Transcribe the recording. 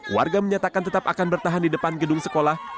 warga menyatakan tetap akan bertahan di depan gedung sekolah